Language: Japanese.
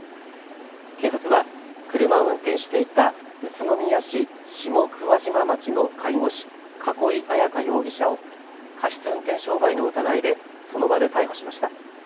警察は車を運転していた宇都宮市下桑島町の介護士、栫彩可容疑者を過失運転傷害の疑いでその場で逮捕しました。